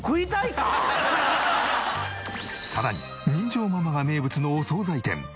さらに人情ママが名物のお惣菜店。